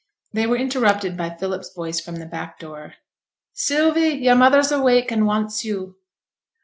They were interrupted by Philip's voice from the back door. 'Sylvie, your mother's awake, and wants you!'